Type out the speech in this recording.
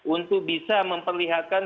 untuk bisa memperlihatkan